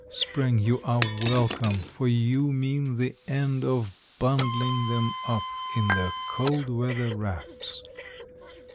Spring, you are welcome, for you mean the end of Bundling them up in their cold weather wraps.